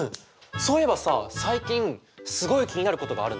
そういえばさ最近すごい気になることがあるんだよね。